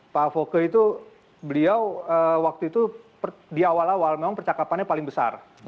pak foke itu beliau waktu itu di awal awal memang percakapannya paling besar